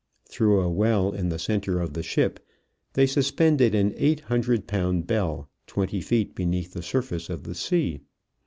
Through a well in the center of the ship they suspended an eight hundred pound bell twenty feet beneath the surface of the sea.